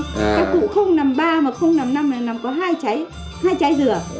các cụ không nằm ba mà không nằm năm là nằm có hai trái dừa